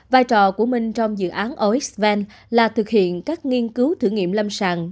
vài trò của mình trong dự án osvent là thực hiện các nghiên cứu thử nghiệm lâm sàng